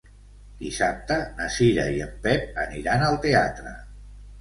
Dissabte na Cira i en Pep aniran al teatre.